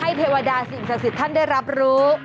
เทวดาสิ่งศักดิ์สิทธิ์ท่านได้รับรู้